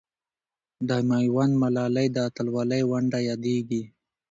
د میوند ملالۍ د اتلولۍ ونډه یادېږي.